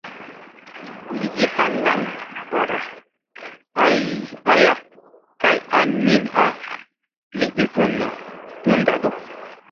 Iigi halangi baaɗa aya kay an min a li bivunna u naɗu.